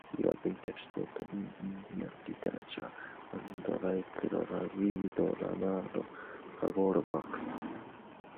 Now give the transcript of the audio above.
He was interested in Indian literature, and liked Rabindranath Tagore's works.